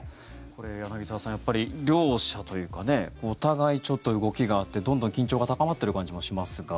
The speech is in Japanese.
これ、柳澤さん両者というかお互い、ちょっと動きがあってどんどん緊張が高まってる感じもしますが。